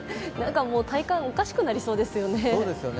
体感、おかしくなりそうですよね